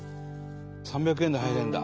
３００円で入れるんだ。